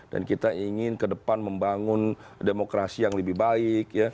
dan kita ingin ke depan membangun demokrasi yang lebih baik